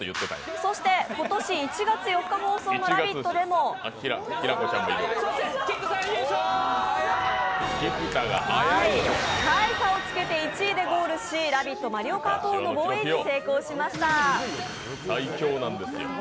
そして今年１月４日放送の「ラヴィット！」でも大差をつけて１位でゴールし、「ラヴィット！」マリオカート王の防衛に成功しました。